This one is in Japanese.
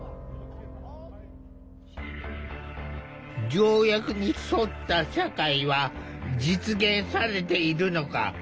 条約に沿った社会は実現されているのか。